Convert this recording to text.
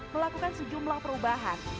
melakukan sejumlah perubahan